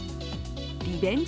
リベンジ